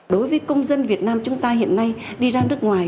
đối với công dân việt nam chúng ta hiện nay đi ra nước ngoài